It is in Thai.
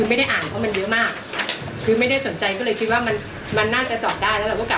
ทำอย่างนั้นเพื่อปกป้องสิทธิ์ของตัวเองเพราะอยู่ดีดีเรามาถูกปิดกัน